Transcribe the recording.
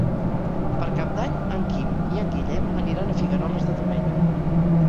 Per Cap d'Any en Quim i en Guillem aniran a Figueroles de Domenyo.